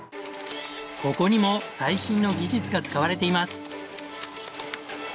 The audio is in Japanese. ここにも最新の技術が使われています。